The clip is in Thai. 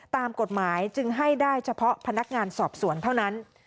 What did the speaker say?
ตามกฎหมายจึงให้ได้เฉพาะพนักงานสอบสวนเท่านั้น